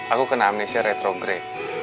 aku kena amnesia retrograde